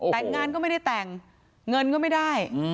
แต่งงานก็ไม่ได้แต่งเงินก็ไม่ได้